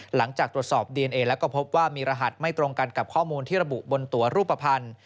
หลังจากตรวจสอบดีเอนเอแล้วก็พบว่ามีรหัสไม่ตรงกันกับข้อมูลที่ระบุบนตัวรูปภัณฑ์